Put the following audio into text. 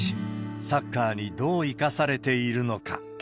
サッカーにどう生かされているのか。